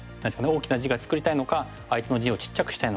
大きな地が作りたいのか相手の地をちっちゃくしたいのか。